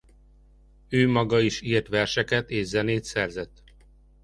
Ő maga is írt verseket és zenét szerzett.